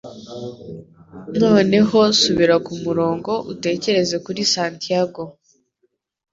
Noneho subira kumurongo utekereze kuri Santiago